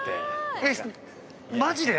えっマジで？